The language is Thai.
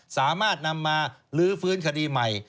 สามารถนำมาลื้อฟื้นคดีใหม่